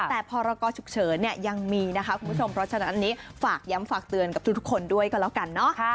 แต่พรกรฉุกเฉินเนี่ยยังมีนะคะคุณผู้ชมเพราะฉะนั้นอันนี้ฝากย้ำฝากเตือนกับทุกคนด้วยกันแล้วกันเนอะ